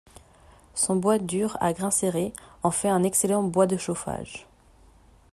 Son bois dur à grain serré en fait un excellent bois de chauffage.